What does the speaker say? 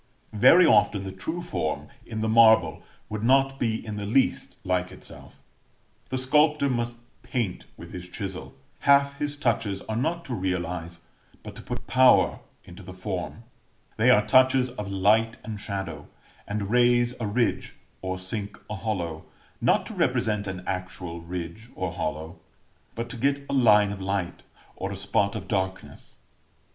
Very often the true form, in the marble, would not be in the least like itself. The sculptor must paint with his chisel: half his touches are not to realize, but to put power into the form: they are touches of light and shadow; and raise a ridge, or sink a hollow, not to represent an actual ridge or hollow, but to get a line of light, or a spot of darkness.